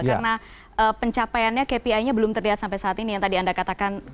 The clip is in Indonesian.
karena pencapaiannya kpi nya belum terlihat sampai saat ini yang tadi anda katakan